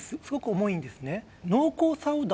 すごく重いんですね